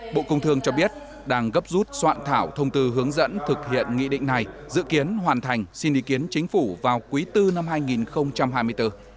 bộ công thương cho biết đang gấp rút soạn thảo thông tư hướng dẫn thực hiện nghị định này dự kiến hoàn thành xin ý kiến chính phủ vào quý bốn năm hai nghìn hai mươi bốn